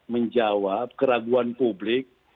menjawab keraguan publik